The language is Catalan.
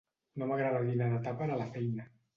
No m'agrada dinar de tàper a la feina.